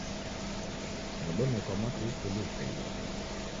Nedenekwa mwatulituli upoie.